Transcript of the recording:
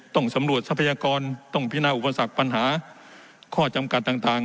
ต้องสำรวจทรัพยากรต้องพินาอุปสรรคปัญหาข้อจำกัดต่าง